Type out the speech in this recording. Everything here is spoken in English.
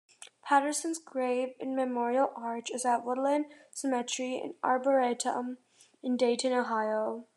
Patterson's grave and memorial arch is at Woodland Cemetery and Arboretum in Dayton, Ohio.